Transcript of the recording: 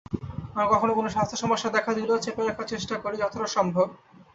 আমার কখনো কোনো স্বাস্থ্যসমস্যা দেখা দিলেও চেপে রাখার চেষ্টা করি, যতটা সম্ভব।